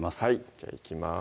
じゃあいきます